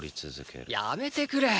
やめてくれ！